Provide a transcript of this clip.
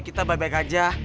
kita baik baik aja